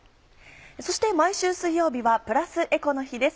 そして毎週水曜日はプラスエコの日です。